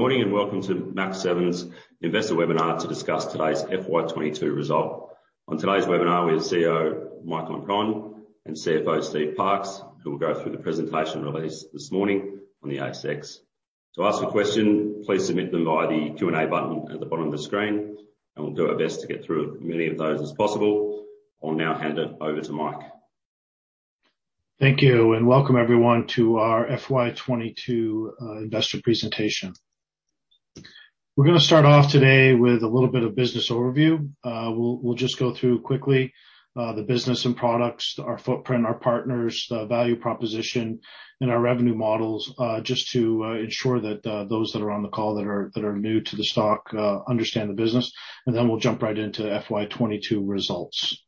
Good morning, and welcome to Mach7's investor webinar to discuss today's FY 2022 result. On today's webinar, we have CEO Mike Lampron and CFO Steve Parkes, who will go through the presentation released this morning on the ASX. To ask a question, please submit them via the Q and A button at the bottom of the screen, and we'll do our best to get through as many of those as possible. I'll now hand it over to Mike. Thank you, and welcome everyone to our FY 2022 investor presentation. We're gonna start off today with a little bit of business overview. We'll just go through quickly the business and products, our footprint, our partners, the value proposition, and our revenue models just to ensure that those that are on the call that are new to the stock understand the business. Then we'll jump right into the FY 2022 results.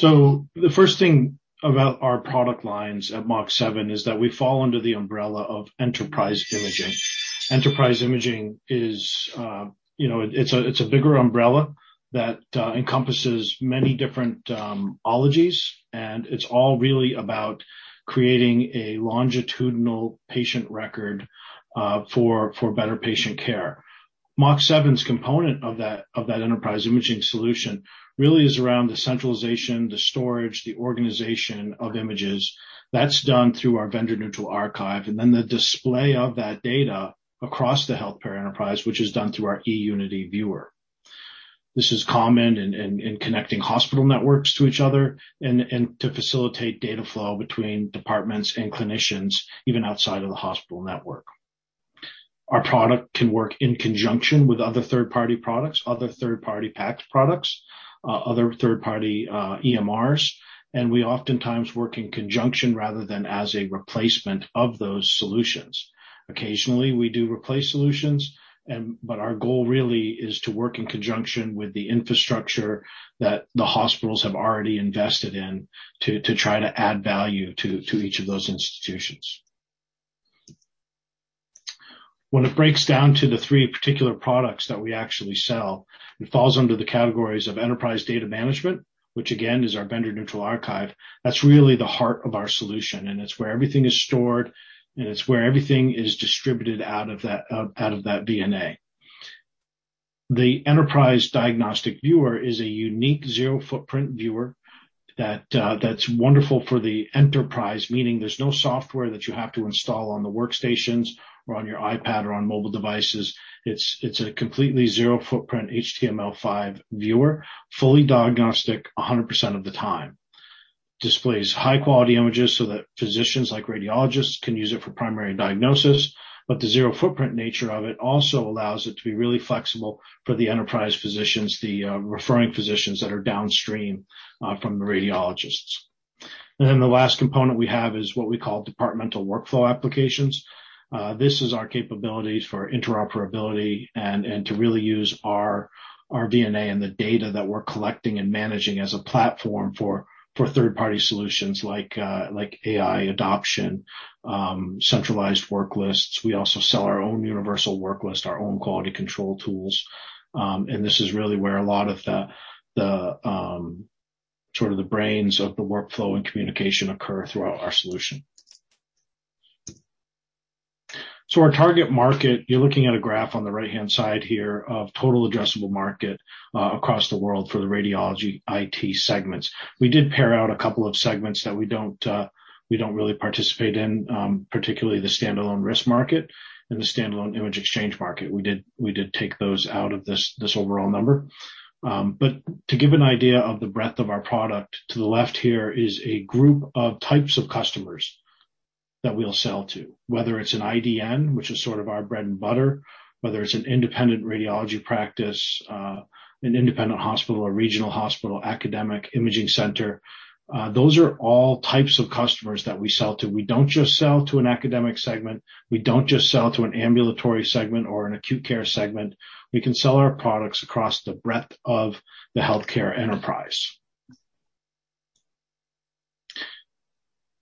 The first thing about our product lines at Mach7 is that we fall under the umbrella of enterprise imaging. Enterprise imaging is you know, it's a bigger umbrella that encompasses many different ologies, and it's all really about creating a longitudinal patient record for better patient care. Mach7's component of that enterprise imaging solution really is around the centralization, the storage, the organization of images. That's done through our vendor neutral archive, and then the display of that data across the healthcare enterprise, which is done through our eUnity Viewer. This is common in connecting hospital networks to each other and to facilitate data flow between departments and clinicians, even outside of the hospital network. Our product can work in conjunction with other third-party products, other third-party PACS products, other third-party EMRs, and we oftentimes work in conjunction rather than as a replacement of those solutions. Occasionally, we do replace solutions. Our goal really is to work in conjunction with the infrastructure that the hospitals have already invested in to try to add value to each of those institutions. When it breaks down to the three particular products that we actually sell, it falls under the categories of Enterprise Data Management, which again is our Vendor Neutral Archive. That's really the heart of our solution, and it's where everything is stored, and it's where everything is distributed out of that VNA. The Enterprise Diagnostic Viewer is a unique zero footprint viewer that that's wonderful for the enterprise, meaning there's no software that you have to install on the workstations or on your iPad or on mobile devices. It's a completely zero footprint HTML5 viewer, fully diagnostic 100% of the time. Displays high quality images so that physicians like radiologists can use it for primary diagnosis. The zero footprint nature of it also allows it to be really flexible for the enterprise physicians, referring physicians that are downstream from the radiologists. Then the last component we have is what we call Departmental Workflow Applications. This is our capabilities for interoperability and to really use our VNA and the data that we're collecting and managing as a platform for third-party solutions like AI adoption, centralized worklists. We also sell our own Universal Worklist, our own quality control tools, and this is really where a lot of the sort of brains of the workflow and communication occur throughout our solution. Our target market, you're looking at a graph on the right-hand side here of total addressable market across the world for the radiology IT segments. We did pare out a couple of segments that we don't really participate in, particularly the standalone RIS market and the standalone image exchange market. We did take those out of this overall number. To give an idea of the breadth of our product, to the left here is a group of types of customers that we'll sell to, whether it's an IDN, which is sort of our bread and butter, whether it's an independent radiology practice, an independent hospital or regional hospital, academic imaging center, those are all types of customers that we sell to. We don't just sell to an academic segment. We don't just sell to an ambulatory segment or an acute care segment. We can sell our products across the breadth of the healthcare enterprise.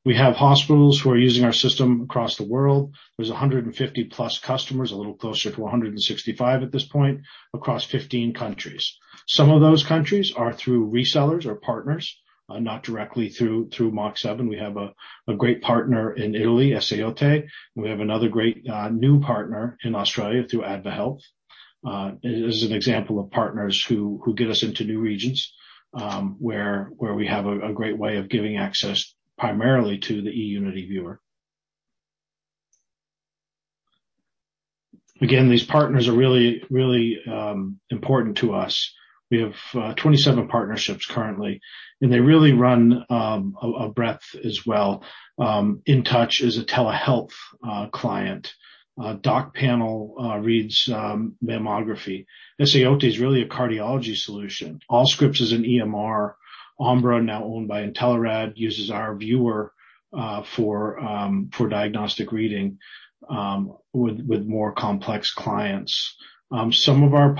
We have hospitals who are using our system across the world. There's 150+ customers, a little closer to 165 at this point, across 15 countries. Some of those countries are through resellers or partners, not directly through Mach7. We have a great partner in Italy, Esaote. We have another great new partner in Australia through AdvaHealth. It is an example of partners who get us into new regions, where we have a great way of giving access primarily to the eUnity viewer. Again, these partners are really important to us. We have 27 partnerships currently, and they really run a breadth as well. InTouch is a telehealth client. DocPanel reads mammography. Esaote is really a cardiology solution. Allscripts is an EMR. Ambra, now owned by Intelerad, uses our viewer for diagnostic reading with more complex clients. Some of our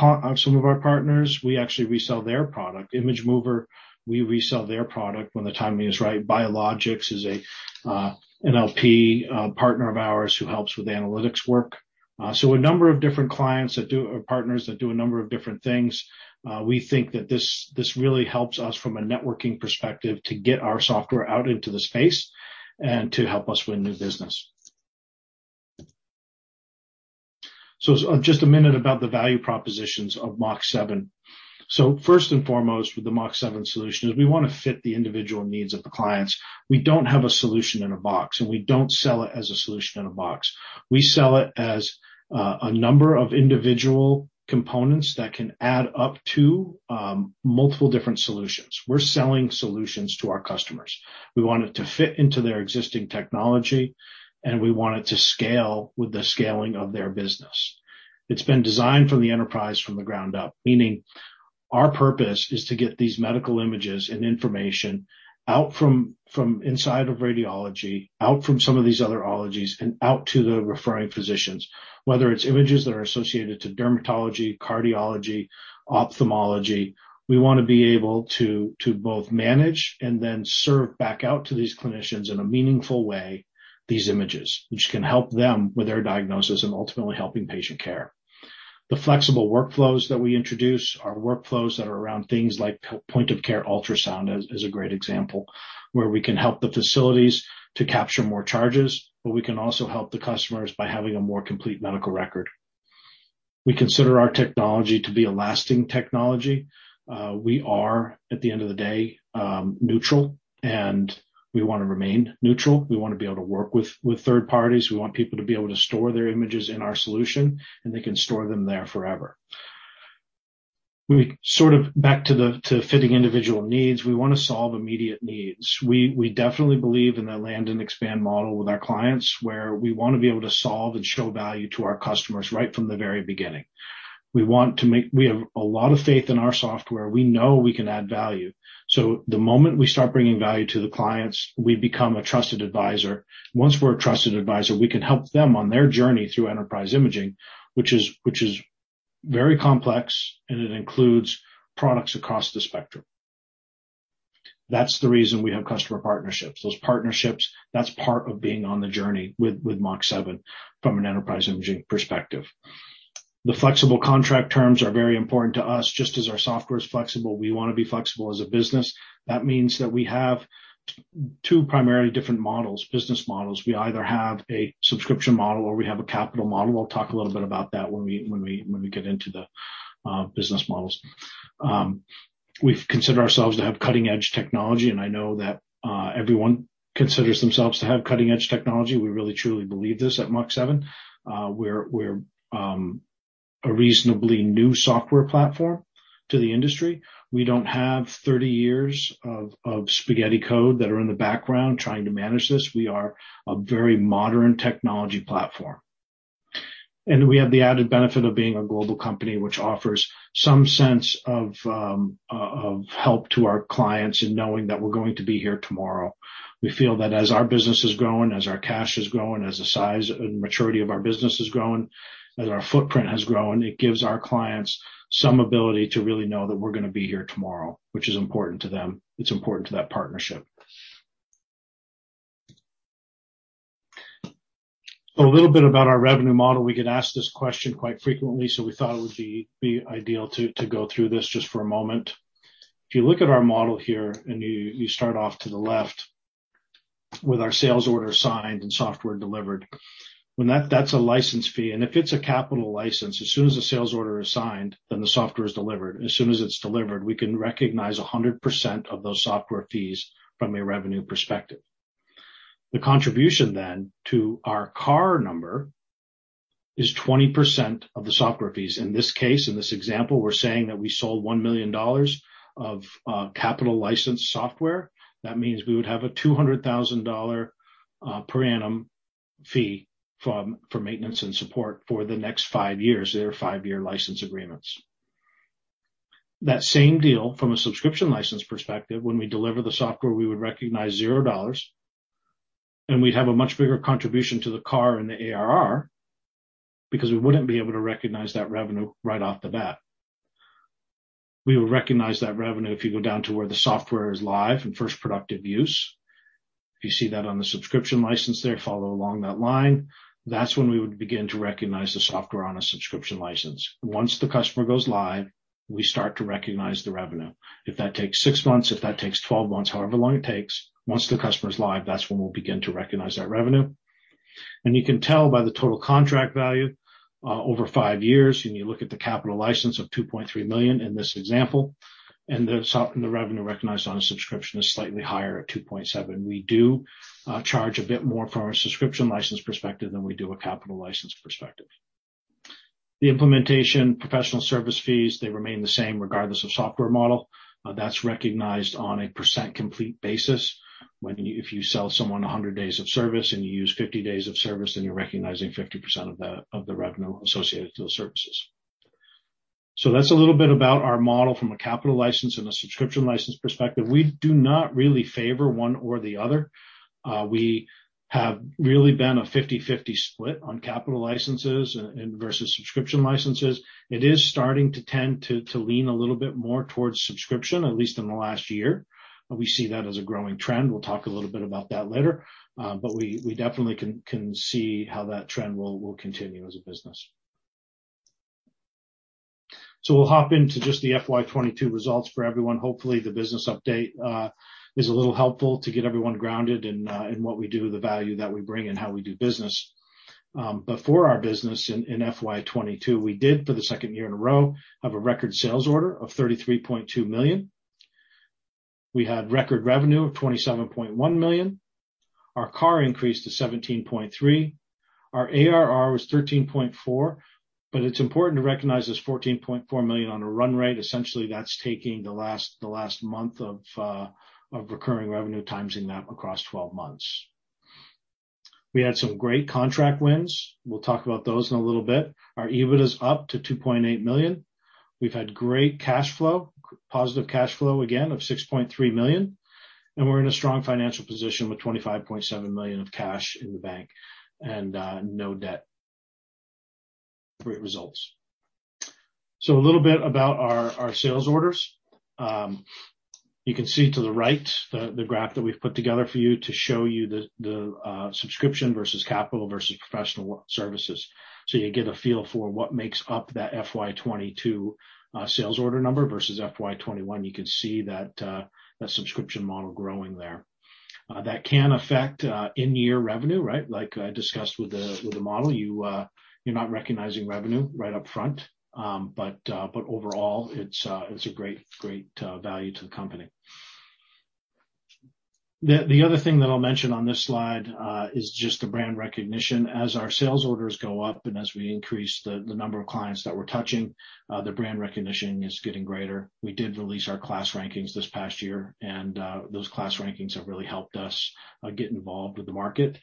partners, we actually resell their product. ImageMoverMD, we resell their product when the timing is right. Bialogics is a NLP partner of ours who helps with analytics work. A number of different clients or partners that do a number of different things. We think that this really helps us from a networking perspective to get our software out into the space and to help us win new business. Just a minute about the value propositions of Mach7. First and foremost with the Mach7 solution is we wanna fit the individual needs of the clients. We don't have a solution in a box, and we don't sell it as a solution in a box. We sell it as a number of individual components that can add up to multiple different solutions. We're selling solutions to our customers. We want it to fit into their existing technology, and we want it to scale with the scaling of their business. It's been designed for the enterprise from the ground up, meaning our purpose is to get these medical images and information out from inside of radiology, out from some of these other ologies, and out to the referring physicians. Whether it's images that are associated to dermatology, cardiology, ophthalmology, we wanna be able to both manage and then serve back out to these clinicians in a meaningful way these images, which can help them with their diagnosis and ultimately helping patient care. The flexible workflows that we introduce are workflows that are around things like point of care ultrasound as a great example, where we can help the facilities to capture more charges, but we can also help the customers by having a more complete medical record. We consider our technology to be a lasting technology. We are, at the end of the day, neutral, and we wanna remain neutral. We wanna be able to work with third parties. We want people to be able to store their images in our solution, and they can store them there forever. Sort of back to fitting individual needs, we wanna solve immediate needs. We definitely believe in the land and expand model with our clients, where we wanna be able to solve and show value to our customers right from the very beginning. We have a lot of faith in our software. We know we can add value. The moment we start bringing value to the clients, we become a trusted advisor. Once we're a trusted advisor, we can help them on their journey through enterprise imaging, which is very complex, and it includes products across the spectrum. That's the reason we have customer partnerships. Those partnerships, that's part of being on the journey with Mach7 from an enterprise imaging perspective. The flexible contract terms are very important to us. Just as our software is flexible, we wanna be flexible as a business. That means that we have two primarily different models, business models. We either have a subscription model or we have a capital model. I'll talk a little bit about that when we get into the business models. We've considered ourselves to have cutting-edge technology, and I know that everyone considers themselves to have cutting-edge technology. We really truly believe this at Mach7. We're a reasonably new software platform to the industry. We don't have 30 years of spaghetti code that are in the background trying to manage this. We are a very modern technology platform. We have the added benefit of being a global company which offers some sense of help to our clients in knowing that we're going to be here tomorrow. We feel that as our business is growing, as our cash is growing, as the size and maturity of our business is growing, as our footprint has grown, it gives our clients some ability to really know that we're gonna be here tomorrow, which is important to them. It's important to that partnership. A little bit about our revenue model. We get asked this question quite frequently, so we thought it would be ideal to go through this just fr a moment. If you look at our model here and you start off to the left with our sales order signed and software delivered, when that's a license fee. If it's a capital license, as soon as the sales order is signed, then the software is delivered. As soon as it's delivered, we can recognize 100% of those software fees from a revenue perspective. The contribution then to our CARR number is 20% of the software fees. In this case, in this example, we're saying that we sold 1 million dollars of capital license software. That means we would have an 200,000 dollar per annum fee for maintenance and support for the next five years. They're five-year license agreements. That same deal from a subscription license perspective, when we deliver the software, we would recognize zero dollars, and we'd have a much bigger contribution to the CARR and the ARR because we wouldn't be able to recognize that revenue right off the bat. We would recognize that revenue if you go down to where the software is live in first productive use. If you see that on the subscription license there, follow along that line, that's when we would begin to recognize the software on a subscription license. Once the customer goes live, we start to recognize the revenue. If that takes six months, if that takes 12 months, however long it takes, once the customer is live, that's when we'll begin to recognize that revenue. You can tell by the total contract value, over five years, when you look at the capital license of 2.3 million in this example, and the revenue recognized on a subscription is slightly higher at 2.7 million. We do charge a bit more from a subscription license perspective than we do a capital license perspective. The implementation professional service fees, they remain the same regardless of software model. That's recognized on a % complete basis. If you sell someone 100 days of service and you use 50 days of service, then you're recognizing 50% of the revenue associated to those services. That's a little bit about our model from a capital license and a subscription license perspective. We do not really favor one or the other. We have really been a 50/50 split on capital licenses and versus subscription licenses. It is starting to tend to lean a little bit more towards subscription, at least in the last year. We see that as a growing trend. We'll talk a little bit about that later. We definitely can see how that trend will continue as a business. We'll hop into just the FY 2022 results for everyone. Hopefully, the business update is a little helpful to get everyone grounded in what we do, the value that we bring, and how we do business. For our business in FY 2022, we did, for the second year in a row, have a record sales order of 33.2 million. We had record revenue of 27.1 million. Our CAR increased to 17.3. Our ARR was 13.4, but it's important to recognize this 14.4 million on a run rate. Essentially, that's taking the last month of recurring revenue times-ing that across 12 months. We had some great contract wins. We'll talk about those in a little bit. Our EBIT is up to 2.8 million. We've had great cash flow, positive cash flow, again, of 6.3 million. We're in a strong financial position with 25.7 million of cash in the bank and no debt. Great results. A little bit about our sales orders. You can see to the right, the graph that we've put together for you to show you the subscription versus capital versus professional services. You get a feel for what makes up that FY 2022 sales order number versus FY 2021. You can see that subscription model growing there. That can affect in-year revenue, right? Like I discussed with the model, you're not recognizing revenue right up front. Overall, it's a great value to the company. The other thing that I'll mention on this slide is just the brand recognition. As our sales orders go up and as we increase the number of clients that we're touching, the brand recognition is getting greater. We did release our KLAS rankings this past year, and those KLAS rankings have really helped us get involved with the market.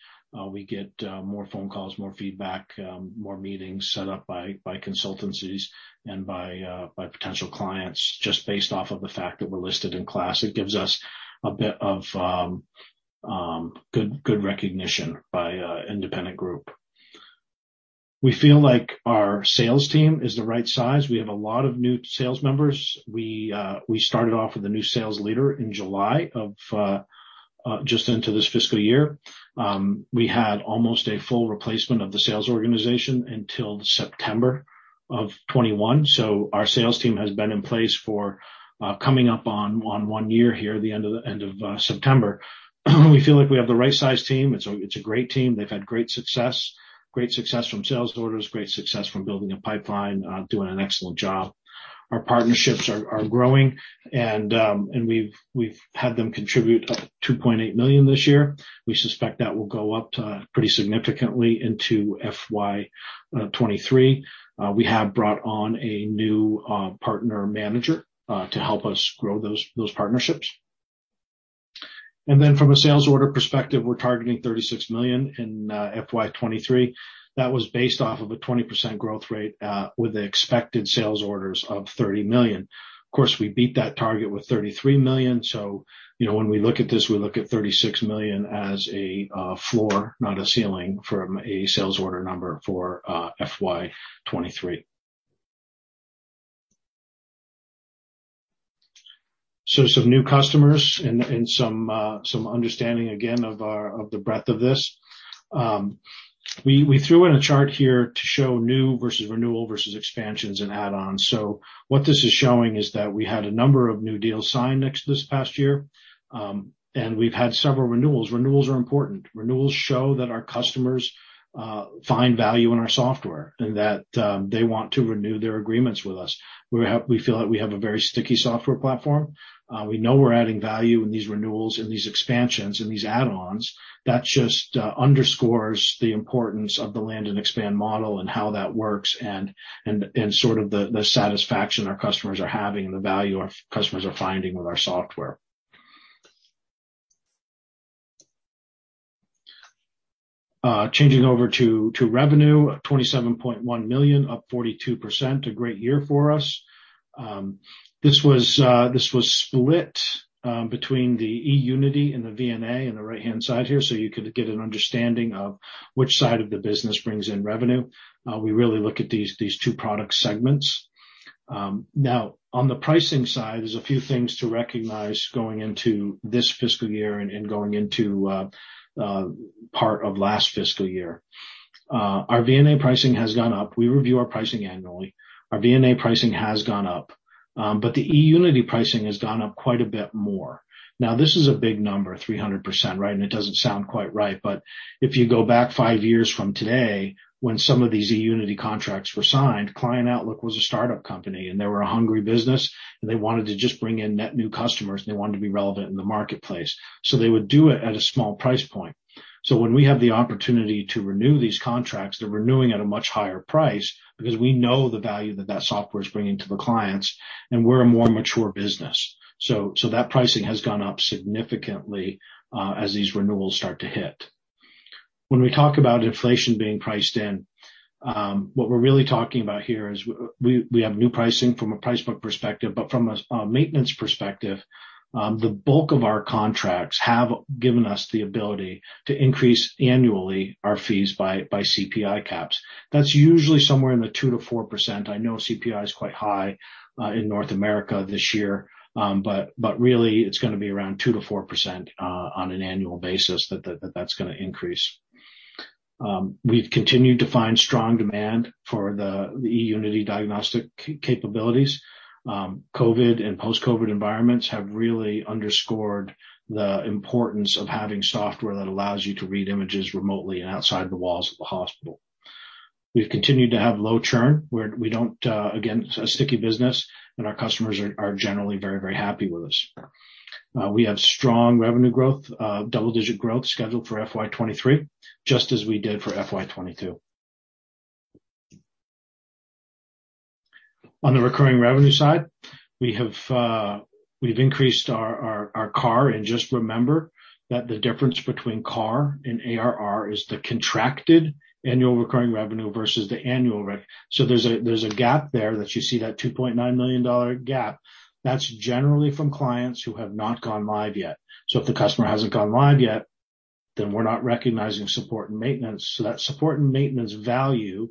We get more phone calls, more feedback, more meetings set up by consultancies and by potential clients just based off of the fact that we're listed in KLAS. It gives us a bit of good recognition by an independent group. We feel like our sales team is the right size. We have a lot of new sales members. We started off with a new sales leader in July of just into this fiscal year. We had almost a full replacement of the sales organization until September of 2021. Our sales team has been in place for coming up on one year here, the end of September. We feel like we have the right size team. It's a great team. They've had great success from sales orders, great success from building a pipeline, doing an excellent job. Our partnerships are growing and we've had them contribute up 2.8 million this year. We suspect that will go up pretty significantly into FY 2023. We have brought on a new partner manager to help us grow those partnerships. From a sales order perspective, we're targeting 36 million in FY 2023. That was based off of a 20% growth rate with the expected sales orders of 30 million. Of course, we beat that target with 33 million. When we look at this, we look at 36 million as a floor, not a ceiling from a sales order number for FY 2023. Some new customers and some understanding again of the breadth of this. We threw in a chart here to show new versus renewal versus expansions and add-ons. What this is showing is that we had a number of new deals signed this past year, and we've had several renewals. Renewals are important. Renewals show that our customers find value in our software and that they want to renew their agreements with us. We feel like we have a very sticky software platform. We know we're adding value in these renewals, in these expansions, in these add-ons. That just underscores the importance of the land and expand model and how that works and sort of the satisfaction our customers are having and the value our customers are finding with our software. Changing over to revenue, 27.1 million, up 42%, a great year for us. This was split between the eUnity and the VNA in the right-hand side here, so you could get an understanding of which side of the business brings in revenue. We really look at these two product segments. Now on the pricing side, there's a few things to recognize going into this fiscal year and going into part of last fiscal year. Our VNA pricing has gone up. We review our pricing annually. Our VNA pricing has gone up, but the eUnity pricing has gone up quite a bit more. This is a big number, 300%, right? It doesn't sound quite right. If you go back five years from today when some of these eUnity contracts were signed, Client Outlook was a startup company, and they were a hungry business, and they wanted to just bring in net new customers, and they wanted to be relevant in the marketplace. They would do it at a small price point. When we have the opportunity to renew these contracts, they're renewing at a much higher price because we know the value that that software is bringing to the clients, and we're a more mature business. That pricing has gone up significantly as these renewals start to hit. When we talk about inflation being priced in, what we're really talking about here is we have new pricing from a price book perspective. From a maintenance perspective, the bulk of our contracts have given us the ability to increase annually our fees by CPI caps. That's usually somewhere in the 2%-4%. I know CPI is quite high in North America this year. Really it's gonna be around 2%-4% on an annual basis that's gonna increase. We've continued to find strong demand for the eUnity diagnostic capabilities. COVID and post-COVID environments have really underscored the importance of having software that allows you to read images remotely and outside the walls of the hospital. We've continued to have low churn, where we don't. Again, it's a sticky business, and our customers are generally very, very happy with us. We have strong revenue growth, double-digit growth scheduled for FY 2023, just as we did for FY 2022. On the recurring revenue side, we've increased our CARR, and just remember that the difference between CARR and ARR is the contracted annual recurring revenue versus the annual rev. So there's a gap there that you see, that $2.9 million gap. That's generally from clients who have not gone live yet. So if the customer hasn't gone live yet, then we're not recognizing support and maintenance. So that support and maintenance value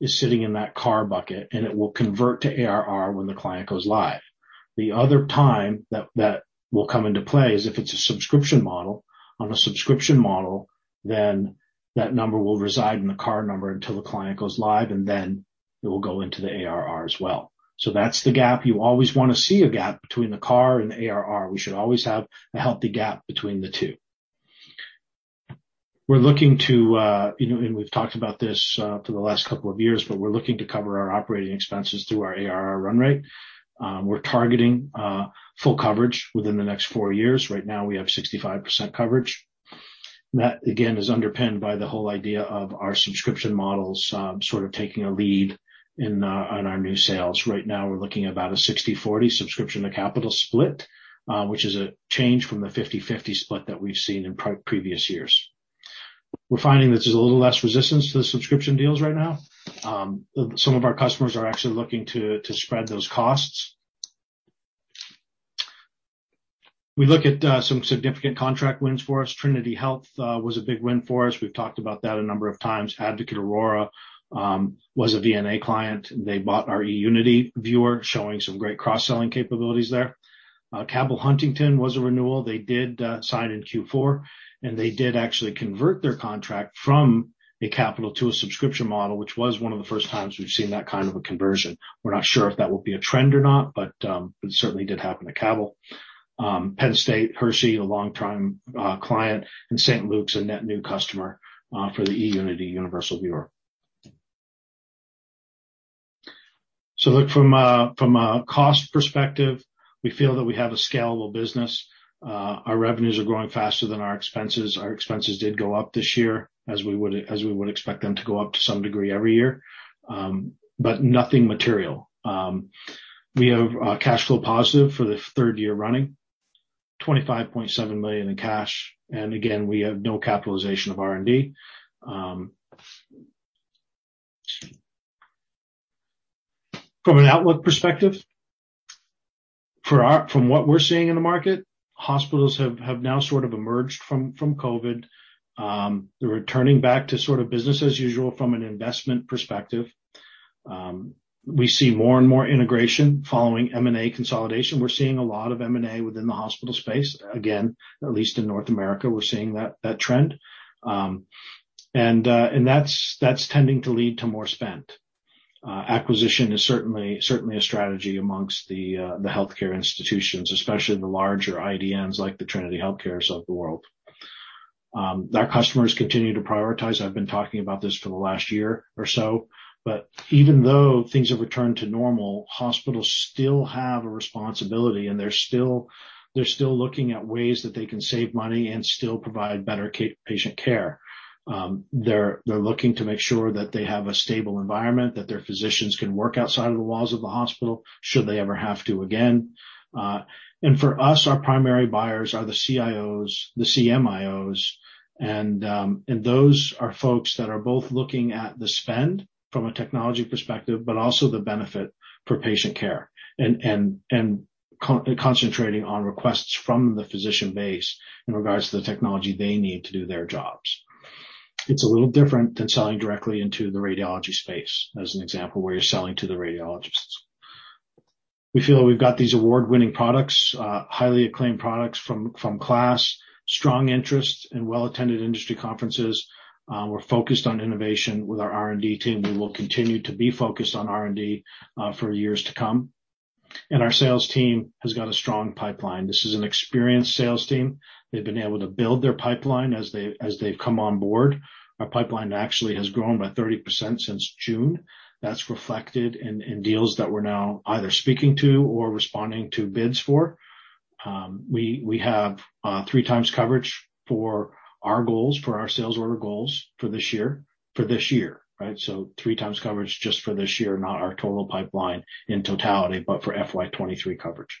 is sitting in that CARR bucket, and it will convert to ARR when the client goes live. The other time that will come into play is if it's a subscription model. On a subscription model, then that number will reside in the CARR number until the client goes live, and then it will go into the ARR as well. That's the gap. You always wanna see a gap between the CARR and the ARR. We should always have a healthy gap between the two. We're looking to, and we've talked about this, for the last couple of years, but we're looking to cover our operating expenses through our ARR run rate. We're targeting full coverage within the next four years. Right now, we have 65% coverage. That, again, is underpinned by the whole idea of our subscription models, sort of taking a lead in on our new sales. Right now, we're looking at a 60/40 subscription to capital split, which is a change from the 50/50 split that we've seen in previous years. We're finding that there's a little less resistance to the subscription deals right now. Some of our customers are actually looking to spread those costs. We look at some significant contract wins for us. Trinity Health was a big win for us. We've talked about that a number of times. Advocate Aurora was a VNA client. They bought our eUnity viewer, showing some great cross-selling capabilities there. Cabell Huntington was a renewal. They did sign in Q4, and they did actually convert their contract from a capital to a subscription model, which was one of the first times we've seen that kind of a conversion. We're not sure if that will be a trend or not, but it certainly did happen to Cabell. Penn State Hershey, a long-time client, and St. Luke's, a net new customer for the eUnity Universal Viewer. Look, from a cost perspective, we feel that we have a scalable business. Our revenues are growing faster than our expenses. Our expenses did go up this year as we would expect them to go up to some degree every year, but nothing material. We are cash flow positive for the third year running, 25.7 million in cash, and again, we have no capitalization of R&D. From an outlook perspective, from what we're seeing in the market, hospitals have now sort of emerged from COVID. They're returning back to sort of business as usual from an investment perspective. We see more and more integration following M&A consolidation. We're seeing a lot of M&A within the hospital space. Again, at least in North America, we're seeing that trend. That's tending to lead to more spend. Acquisition is certainly a strategy amongst the healthcare institutions, especially the larger IDNs like the Trinity Health of the world. Our customers continue to prioritize. I've been talking about this for the last year or so. Even though things have returned to normal, hospitals still have a responsibility, and they're still looking at ways that they can save money and still provide better patient care. They're looking to make sure that they have a stable environment, that their physicians can work outside of the walls of the hospital should they ever have to again. For us, our primary buyers are the CIOs, the CMIOs, and those are folks that are both looking at the spend from a technology perspective, but also the benefit for patient care and concentrating on requests from the physician base in regards to the technology they need to do their jobs. It's a little different than selling directly into the radiology space, as an example, where you're selling to the radiologists. We feel we've got these award-winning products, highly acclaimed products from KLAS, strong interest and well-attended industry conferences. We're focused on innovation with our R&D team. We will continue to be focused on R&D for years to come. Our sales team has got a strong pipeline. This is an experienced sales team. They've been able to build their pipeline as they've come on board. Our pipeline actually has grown by 30% since June. That's reflected in deals that we're now either speaking to or responding to bids for. We have three times coverage for our goals, for our sales order goals for this year. For this year, right? Three times coverage just for this year, not our total pipeline in totality, but for FY 2023 coverage.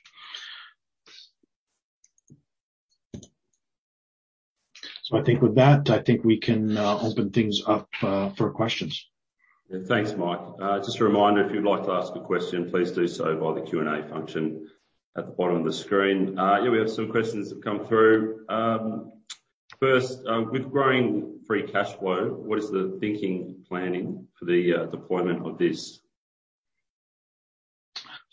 I think with that we can open things up for questions. Yeah. Thanks, Mike. Just a reminder, if you'd like to ask a question, please do so via the Q and A function at the bottom of the screen. Yeah, we have some questions that have come through. First, with growing free cash flow, what is the thinking planning for the deployment of this?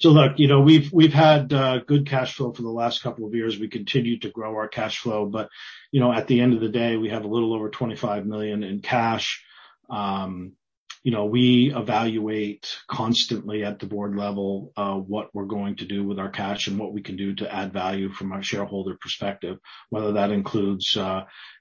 Look, you know, we've had good cash flow for the last couple of years. We continue to grow our cash flow, but, you know, at the end of the day, we have a little over 25 million in cash. You know, we evaluate constantly at the board level what we're going to do with our cash and what we can do to add value from a shareholder perspective, whether that includes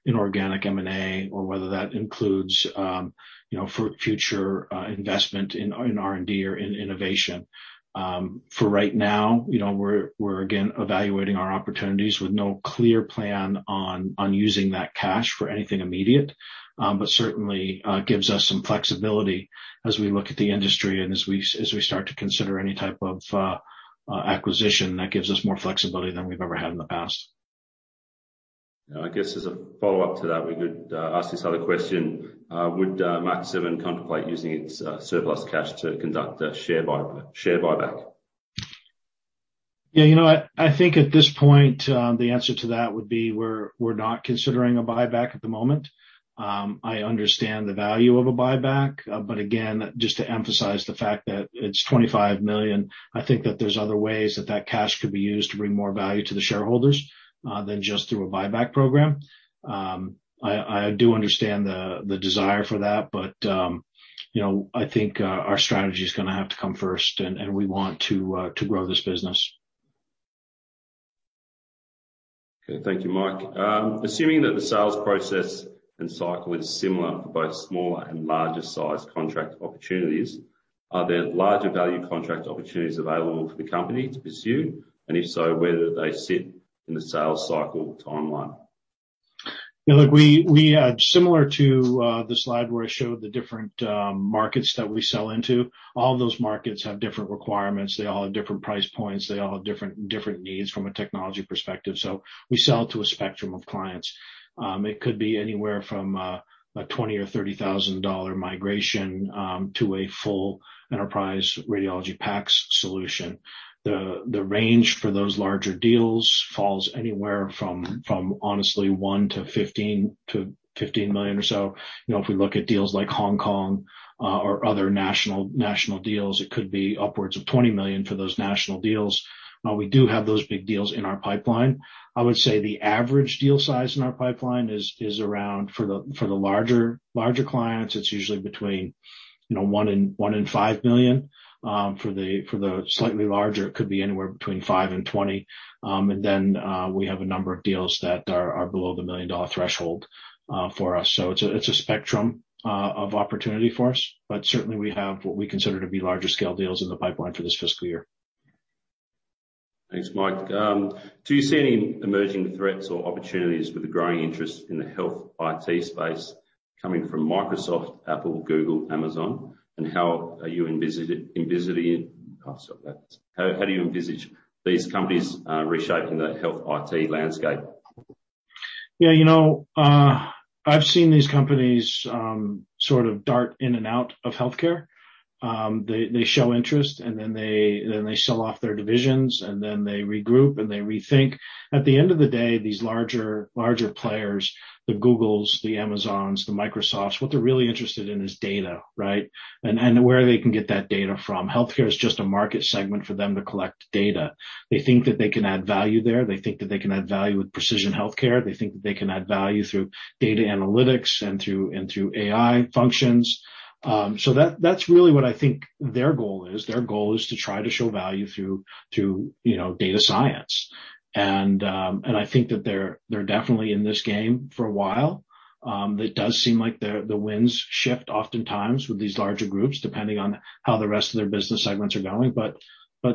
inorganic M&A or whether that includes, you know, for future investment in R&D or in innovation. For right now, you know, we're again evaluating our opportunities with no clear plan on using that cash for anything immediate. Certainly gives us some flexibility as we look at the industry and as we start to consider any type of acquisition that gives us more flexibility than we've ever had in the past. I guess as a follow-up to that, we could ask this other question. Would Mach7 contemplate using its surplus cash to conduct a share buyback? Yeah. You know what? I think at this point, the answer to that would be we're not considering a buyback at the moment. I understand the value of a buyback, but again, just to emphasize the fact that it's 25 million, I think that there's other ways that that cash could be used to bring more value to the shareholders, than just through a buyback program. I do understand the desire for that, but, you know, I think our strategy is gonna have to come first and we want to grow this business. Okay. Thank you, Mike. Assuming that the sales process and cycle is similar for both smaller and larger sized contract opportunities, are there larger value contract opportunities available for the company to pursue? If so, where do they sit in the sales cycle timeline? Yeah. Look, we had similar to the slide where I showed the different markets that we sell into. All those markets have different requirements. They all have different price points. They all have different needs from a technology perspective, so we sell to a spectrum of clients. It could be anywhere from a 20,000 or 30,000 dollar migration to a full enterprise radiology PACS solution. The range for those larger deals falls anywhere from honestly one to 15 million or so. You know, if we look at deals like Hong Kong or other national deals, it could be upwards of 20 million for those national deals. Now, we do have those big deals in our pipeline. I would say the average deal size in our pipeline is around, for the larger clients, it's usually between, you know, 1 million-5 million. For the slightly larger, it could be anywhere between 5 million-20 million. We have a number of deals that are below the 1 million-dollar threshold for us. It's a spectrum of opportunity for us. Certainly we have what we consider to be larger scale deals in the pipeline for this fiscal year. Thanks, Mike. Do you see any emerging threats or opportunities with the growing interest in the health IT space coming from Microsoft, Apple, Google, Amazon? How do you envisage these companies reshaping the health IT landscape? Yeah. You know, I've seen these companies sort of dart in and out of healthcare. They show interest, and then they sell off their divisions, and then they regroup, and they rethink. At the end of the day, these larger players, the Googles, the Amazons, the Microsofts, what they're really interested in is data, right? And where they can get that data from. Healthcare is just a market segment for them to collect data. They think that they can add value there. They think that they can add value with precision healthcare. They think that they can add value through data analytics and through AI functions. So that's really what I think their goal is. Their goal is to try to show value through to, you know, data science. I think that they're definitely in this game for a while. It does seem like the winds shift oftentimes with these larger groups, depending on how the rest of their business segments are going. But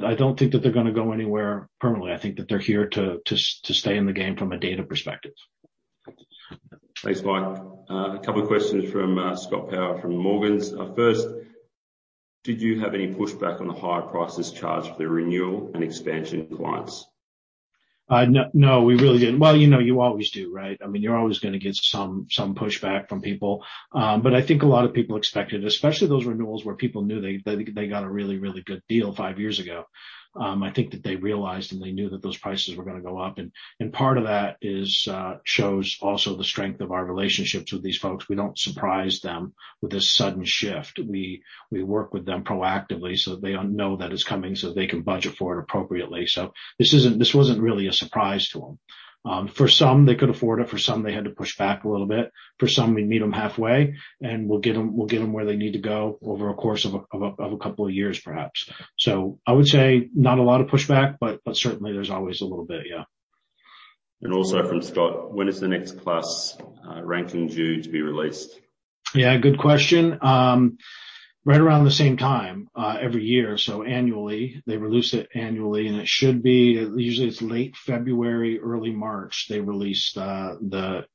I don't think that they're gonna go anywhere permanently. I think that they're here to stay in the game from a data perspective. Thanks, Mike. A couple of questions from Scott Power from Morgans. First, did you have any pushback on the higher prices charged for the renewal and expansion of clients? No, we really didn't. Well, you know, you always do, right? I mean, you're always gonna get some pushback from people. But I think a lot of people expected, especially those renewals where people knew they got a really good deal five years ago. I think that they realized and they knew that those prices were gonna go up. And part of that also shows the strength of our relationships with these folks. We don't surprise them with a sudden shift. We work with them proactively so they know that it's coming so they can budget for it appropriately. So this wasn't really a surprise to them. For some, they could afford it. For some, they had to push back a little bit. For some, we meet them halfway, and we'll get them where they need to go over a course of a couple of years, perhaps. I would say not a lot of pushback, but certainly there's always a little bit. Yeah. Also from Scott, when is the next KLAS ranking due to be released? Yeah, good question. Right around the same time, every year, so annually. They release it annually, and it should be, usually it's late February, early March, they release, the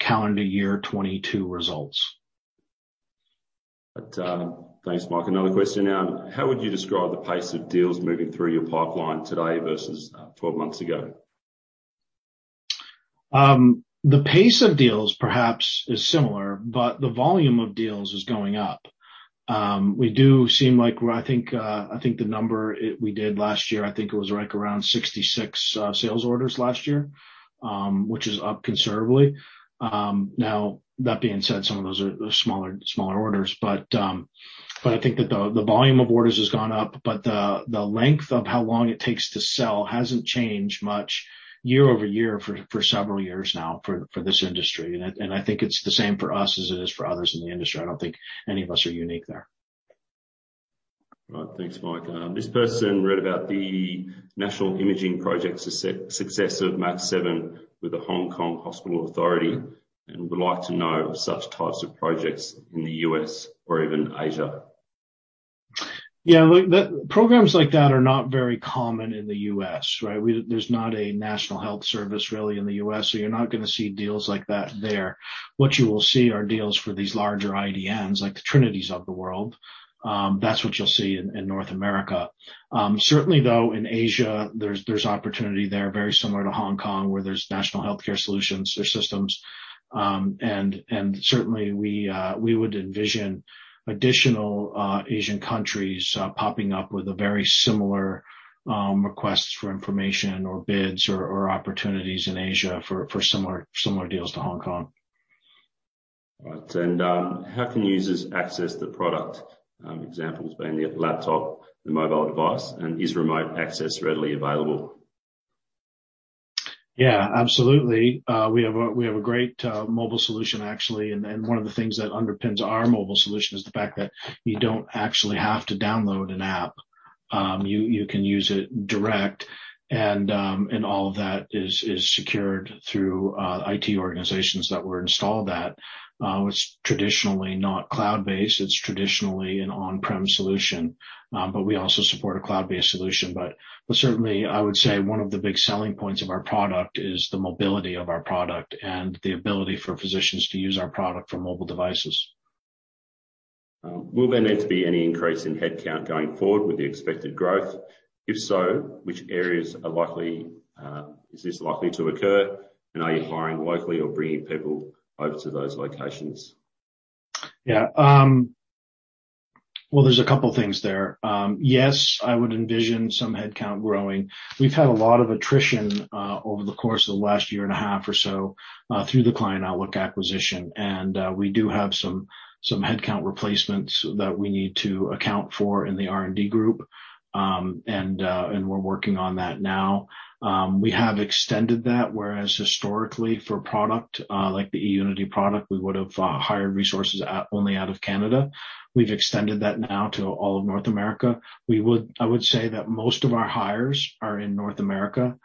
calendar year 2022 results. Thanks, Mike. Another question. How would you describe the pace of deals moving through your pipeline today versus 12 months ago? The pace of deals perhaps is similar, but the volume of deals is going up. We do seem like we're, I think we did last year, I think it was right around 66 sales orders last year, which is up considerably. Now that being said, some of those are smaller orders. I think that the volume of orders has gone up, but the length of how long it takes to sell hasn't changed much year-over-year for several years now for this industry. I think it's the same for us as it is for others in the industry. I don't think any of us are unique there. All right. Thanks, Mike. This person read about the national imaging project success of Mach7 with the Hospital Authority and would like to know of such types of projects in the U.S. or even Asia. Yeah. Look, programs like that are not very common in the U.S., right? There's not a national health service really in the U.S., so you're not gonna see deals like that there. What you will see are deals for these larger IDNs, like the Trinity Health of the world. That's what you'll see in North America. Certainly though in Asia there's opportunity there very similar to Hong Kong, where there's national healthcare solutions or systems. Certainly we would envision additional Asian countries popping up with a very similar requests for information or bids or opportunities in Asia for similar deals to Hong Kong. All right. How can users access the product? Examples being the laptop, the mobile device, and is remote access readily available? Yeah, absolutely. We have a great mobile solution, actually. One of the things that underpins our mobile solution is the fact that you don't actually have to download an app. You can use it directly, and all of that is secured through IT organizations that we're installed at. It's traditionally not cloud-based. It's traditionally an on-prem solution, but we also support a cloud-based solution. Certainly, I would say one of the big selling points of our product is the mobility of our product and the ability for physicians to use our product from mobile devices. Will there need to be any increase in headcount going forward with the expected growth? If so, which areas are likely, is this likely to occur, and are you hiring locally or bringing people over to those locations? Yeah. Well, there's a couple things there. Yes, I would envision some headcount growing. We've had a lot of attrition over the course of the last year and a half or so through the Client Outlook acquisition. We do have some headcount replacements that we need to account for in the R&D group. We're working on that now. We have extended that, whereas historically for product like the eUnity product, we would've hired resources out, only out of Canada. We've extended that now to all of North America. I would say that most of our hires are in North America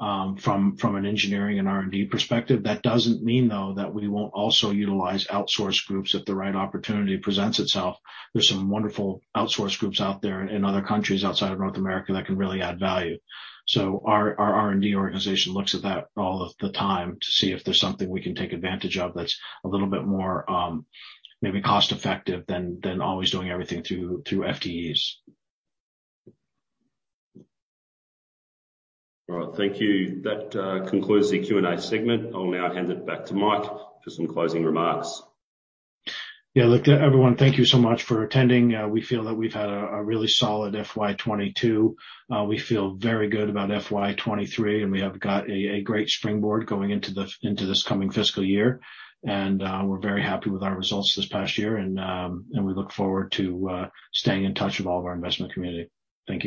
from an engineering and R&D perspective. That doesn't mean, though, that we won't also utilize outsource groups if the right opportunity presents itself. There's some wonderful outsourcing groups out there in other countries outside of North America that can really add value. Our R&D organization looks at that all of the time to see if there's something we can take advantage of that's a little bit more, maybe cost-effective than always doing everything through FTEs. All right. Thank you. That concludes the Q and A segment. I'll now hand it back to Mike for some closing remarks. Yeah. Look, everyone, thank you so much for attending. We feel that we've had a really solid FY 2022. We feel very good about FY 2023, and we have got a great springboard going into this coming fiscal year. We're very happy with our results this past year, and we look forward to staying in touch with all of our investment community. Thank you.